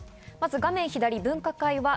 画面左、分科会です。